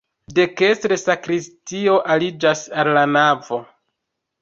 Dekstre sakristio aliĝas al la navo.